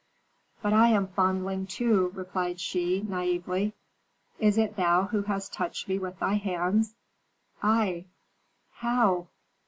"But I am Fondling, too," replied she, naïvely. "Is it thou who hast touched me with thy hands?" "I." "How?"